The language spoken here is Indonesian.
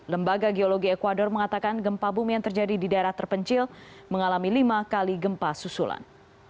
lembaga geologi ecuador mengatakan gempa bumi yang terjadi di daerah terpencil mengalami lima kali gempa susulan